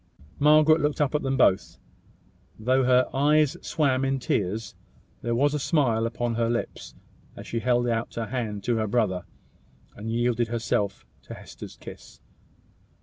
Margaret looked up at them both. Though her eyes swam in tears, there was a smile upon her lips as she held out her hand to her brother, and yielded herself to Hester's kiss.